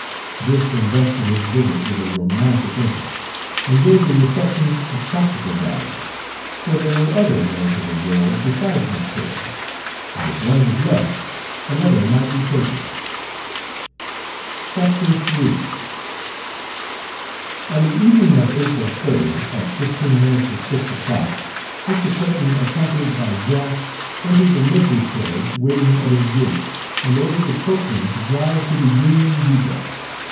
This invested his visit with a romantic interest, and gave the reception a practical value; for there were other marriageable girls besides Miss Clayton, and if one was left another might be taken. III On the evening of April 3d, at fifteen minutes of six o'clock, Mr. Clayton, accompanied Page 113 by Jack, entered the livery carriage waiting at his gate and ordered the coachman to drive to the Union Depot.